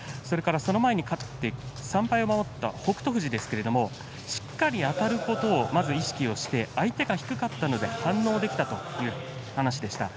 その前に勝って３敗を守った北勝富士ですけれどもしっかりあたることをまず意識して相手が低かったので反応できたという話でした。